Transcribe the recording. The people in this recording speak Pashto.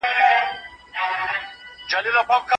په پښتني فاميلونو کي اکثره کورني جنجالونه لدغه سببه دي